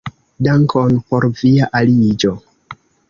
Dankon por via aliĝo!